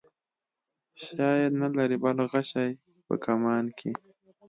شاید نه لرې بل غشی په کمان کې.